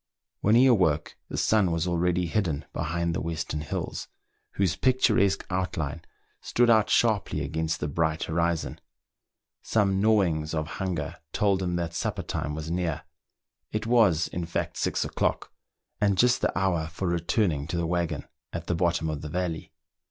When he awoke, the sun was already hidden behind the western hills, whose picturesque outline stood 13 meridiana; the adventures of out sharply against the bright horizon. Some gnawings of hunger told him that supper time was near ; it was, in fact, six o'clock, and just the hour for returning to the waggon at the bottom of the valley.